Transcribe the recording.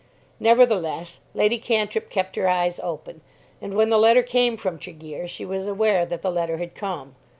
Nevertheless Lady Cantrip kept her eyes open, and when the letter came from Tregear she was aware that the letter had come.